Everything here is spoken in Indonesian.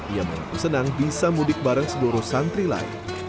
ia mengaku senang bisa mudik bareng seluruh santri lain